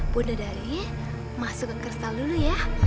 bunda dari masuk ke kristal dulu ya